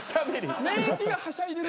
免疫がはしゃいでる。